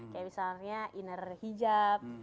kayak misalnya inner hijab